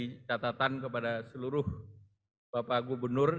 sehingga ini juga menjadi catatan kepada seluruh bapak gubernur